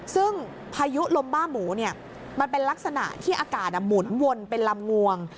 ซึ่งพายุลมบ้าหมูเนี่ยมันเป็นลักษณะที่อากาศหมุนวนเป็นลำงวง